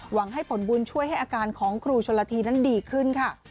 หวังให้ผลบุญช่วยให้อาการของครูชนละทีนั้นดีขึ้นค่ะ